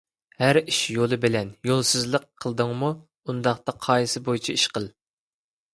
ھەر ئىش يولى بىلەن. يولسىزلىق قىلدىڭمۇ، ئۇنداقتا قائىدىسى بويىچە ئىش قىل.